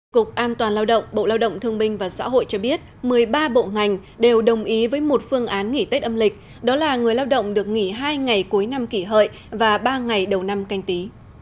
cục an toàn lao động bộ lao động thương minh và xã hội cho biết một mươi ba bộ ngành đều đồng ý với một phương án nghỉ tết âm lịch đó là người lao động được nghỉ hai ngày cuối năm kỷ hợi và ba ngày đầu năm canh tí